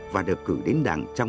và được cử đến đảng trong